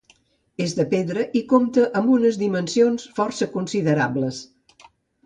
És de pedra i compta amb unes dimensions força considerables.